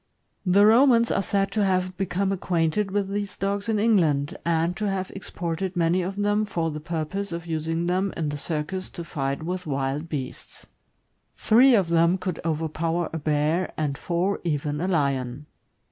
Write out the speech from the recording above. The Romans are said to have become acquainted with these dogs in England, and to have exported many of them for the purpose of using them in the circus to light with wild beasts. Tlnve of them could overpower a bear, and four even a lion.